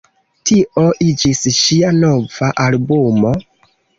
Tio iĝis ŝia nova albumo.